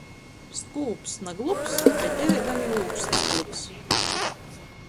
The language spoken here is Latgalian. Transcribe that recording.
Skūps, na glups, bet deveigam i ūksts plyks.